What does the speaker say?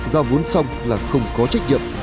giao vốn xong là không có trách nhiệm